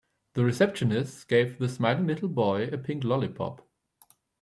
The receptionist gave the smiling little boy a pink lollipop.